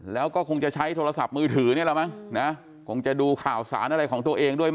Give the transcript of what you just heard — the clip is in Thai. แล้วก็คงจะใช้โทรศัพท์มือถือนี่แหละมั้งนะคงจะดูข่าวสารอะไรของตัวเองด้วย